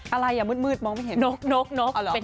อะไรอ่ะมืดมองไม่เห็นนก